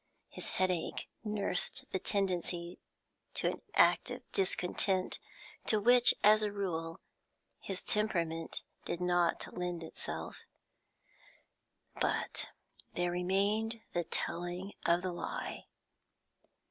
His headache nursed the tendency to an active discontent, to which, as a rule, his temperament did not lend itself. But there remained the telling of the lie.